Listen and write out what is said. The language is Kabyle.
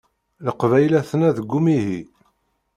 Leqbayel aten-a deg umihi.